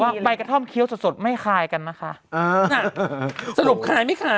ใบกระท่อมเคี้ยวสดสดไม่คลายกันนะคะเออน่ะสรุปขายไม่ขาย